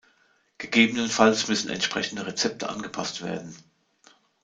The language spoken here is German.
Gegebenenfalls müssen entsprechende Rezepte angepasst werden.